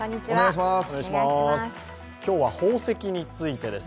今日は宝石についてです。